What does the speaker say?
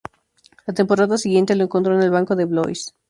La temporada siguiente lo encontró en el banco de Blois.